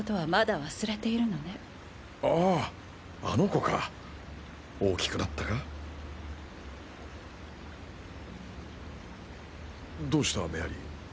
あの子か大きくなっどうしたメアリー？